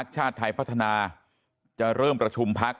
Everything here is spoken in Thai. ชาติไทยพัฒนาจะเริ่มประชุมพัก